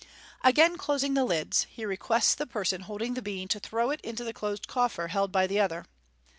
Again closing the lids, he requests the person holding the bean to throw it into the closed coffer held by the other.